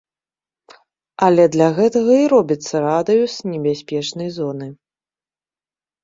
Але для гэтага і робіцца радыус небяспечнай зоны.